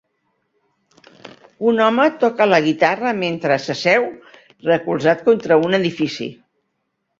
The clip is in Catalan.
Un home toca la guitarra mentre s'asseu recolzat contra un edifici.